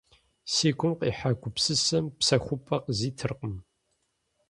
Си гум къихьа гупсысэм псэхупӀэ къызитыркъым.